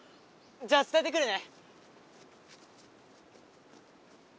じゃあつたえてくるね！